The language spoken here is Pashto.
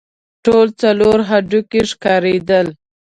ټول څلور هډوکي ښکارېدل.